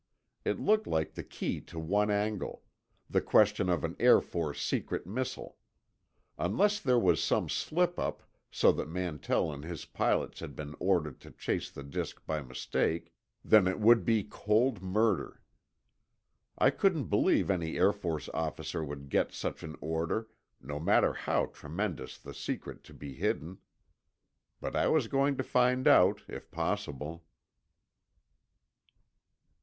It looked like the key to one angle: the question of an Air Force secret missile. Unless there was some slip up, so that Mantell and his pilots had been ordered to chase the disk by mistake, then it would be cold murder. I couldn't believe any Air Force officer would give such an order, no matter how tremendous the secret to be hidden. But I was going to find out, if possible.